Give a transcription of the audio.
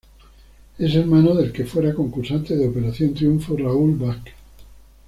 Es hermano del que fuera concursante de Operación Triunfo Raoul Vázquez.